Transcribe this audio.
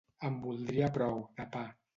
En voldria prou, de pa.